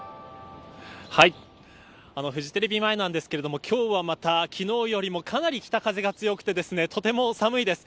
フジテレビ前なんですけど今日は、また昨日よりもかなり北風が強くてとても寒いです。